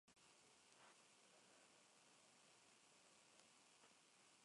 Se trata de un cráter alargado que es más largo en la dirección norte-sur.